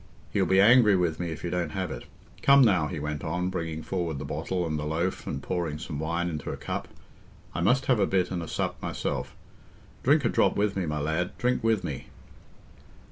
He'll be angry with me if you don't have it. Come, now," he went on, bringing forward the bottle and the loaf and pouring some wine into a cup, "I must have a bit and a sup myself. Drink a drop with me, my lad—drink with me."